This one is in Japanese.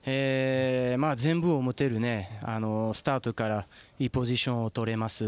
全部を持ってるスタートからいいポジションをとれます